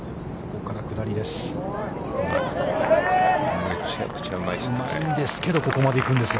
ここから下りです。